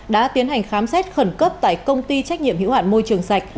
đã tiến hành khám xét khẩn cấp tại công ty trách nhiệm hữu hạn môi trường sạch